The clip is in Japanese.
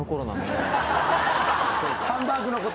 ハンバーグのこと。